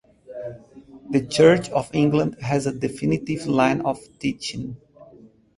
The Church of England has a definite line of teaching.